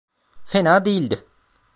Fena değildi.